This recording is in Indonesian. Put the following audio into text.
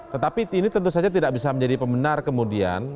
tetapi ini tentu saja tidak bisa menjadi pembenar kemudian